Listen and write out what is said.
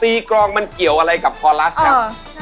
กรองมันเกี่ยวอะไรกับคอลัสครับ